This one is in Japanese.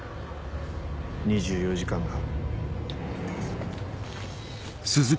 ２４時間だ。